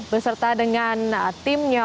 berserta dengan timnya